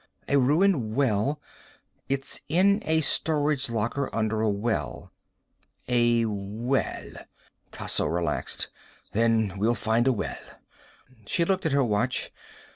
A ruined well. It's in a storage locker under a well." "A well." Tasso relaxed. "Then we'll find a well." She looked at her watch.